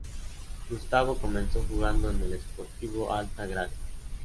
Gustavo comenzó jugando en el Sportivo Alta Gracia.